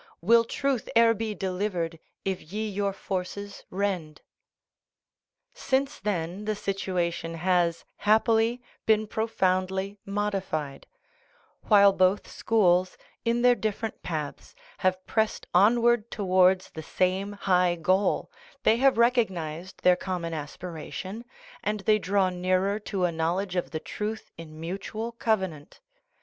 Will truth e'er be delivered if ye your forces rend ?" Since then the situation has, happily, been profoundly modified; while both schools, in their different paths, have pressed onward towards the same high goal, they have recognized their common aspiration, and they draw nearer to a knowledge of the truth in mutual covenant.